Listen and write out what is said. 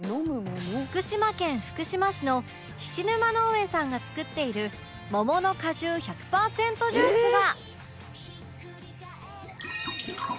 福島県福島市の菱沼農園さんが作っている桃の果汁１００パーセントジュースが